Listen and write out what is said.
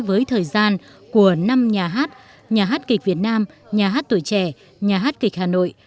với thời gian của năm nhà hát nhà hát kịch việt nam nhà hát tuổi trẻ nhà hát kịch hà nội